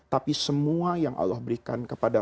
tapi semua yang allah berikan kepada